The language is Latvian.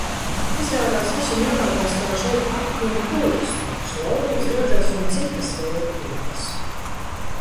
Izrādās, visi noraugās kā šeit atņem pulksteņus, laulības gredzenus, un citas vērtības.